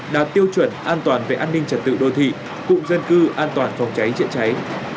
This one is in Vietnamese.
đạt tiêu chuẩn an toàn về an ninh trật tự đô thị cụng dân cư an toàn phòng cháy chữa cháy